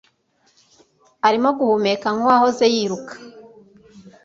arimo guhumeka nkuwahoze yiruka